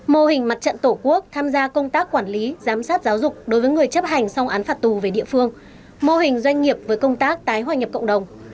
mô hình mặt trận tổ quốc tham gia công tác quản lý giám sát giáo dục đối với người chấp hành song án phạt tù về địa phương mô hình doanh nghiệp với công tác tái hòa nhập cộng đồng